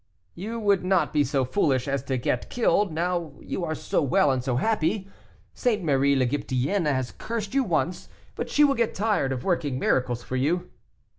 "You would not be so foolish as to get killed, now you are so well and so happy; St. Marie l'Egyptienne has cured you once, but she will get tired of working miracles for you."